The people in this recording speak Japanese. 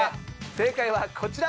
正解はこちら！